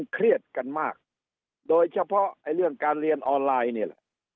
เครียดกันมากโดยเฉพาะเรื่องการเรียนออนไลน์นี่แหละ